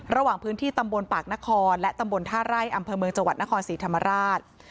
ระหว่างพื้นที่ตำบลปากนครและตำบลท่าไร่อำเภอเมืองจังหวัดนครศรีธรรมราช